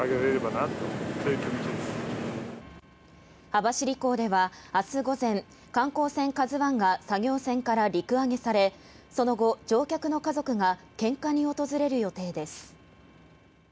網走港では明日午前観光船「ＫＡＺＵ１」が作業船から陸揚げされその後、乗客の家族が献花に訪れる予定です。